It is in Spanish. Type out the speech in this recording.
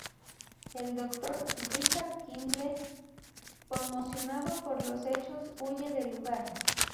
El doctor Richard Kimble, conmocionado por los hechos, huye del lugar.